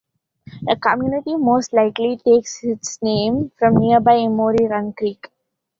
The community most likely takes its name from nearby Emory Run creek.